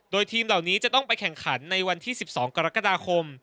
โดยทีมเหล่านี้จะต้องไปแข่งขันในวันที่๑๒กรกฎาคม